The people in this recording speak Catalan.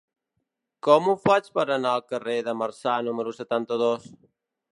Com ho faig per anar al carrer de Marçà número setanta-dos?